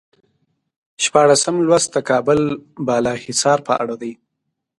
شپاړسم لوست د کابل بالا حصار په اړه دی.